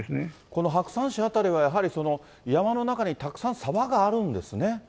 この白山市辺りはやはり山の中にたくさん沢があるんですね。